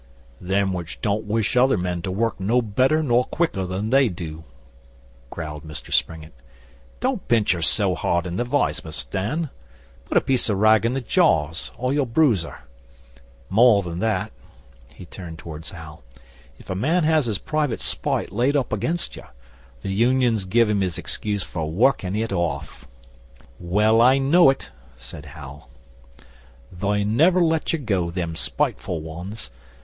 'Them which don't wish other men to work no better nor quicker than they do,' growled Mr Springett. 'Don't pinch her so hard in the vice, Mus' Dan. Put a piece o' rag in the jaws, or you'll bruise her. More than that' he turned towards Hal 'if a man has his private spite laid up against you, the Unions give him his excuse for workin' it off.' 'Well I know it,' said Hal. 'They never let you go, them spiteful ones.